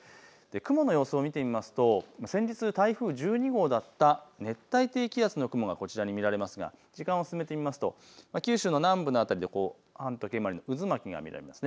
雲の様子を見てみますと先日、台風１２号だった熱帯低気圧の雲がこちらに見られますが時間を進めてみますと九州の南部の辺りで反時計回りの渦巻きが見られます。